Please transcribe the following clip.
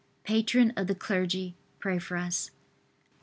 patron of the clergy, pray for us.